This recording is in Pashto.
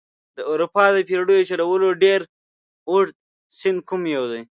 د اروپا د بیړیو چلولو ډېر اوږد سیند کوم یو دي؟